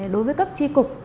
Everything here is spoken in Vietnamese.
đối với cấp tri cục